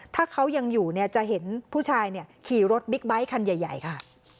ถ้าเขายังอยู่เนี่ยจะเห็นผู้ชายขี่รถบิ๊กไบท์คันใหญ่ค่ะ